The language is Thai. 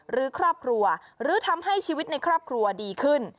หรือครอบครัวหรือทำให้ชีวิตในครอบครัวดีขึ้น